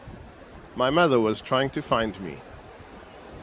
My mother was trying to find me.